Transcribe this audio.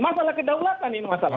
masalah kedaulatan ini masalahnya